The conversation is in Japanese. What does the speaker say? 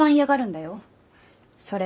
それ